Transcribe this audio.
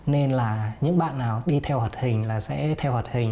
nên là những bạn nào đi theo hoạt hình là sẽ theo hoạt hình